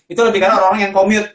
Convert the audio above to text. itu lebih ke arah orang yang commute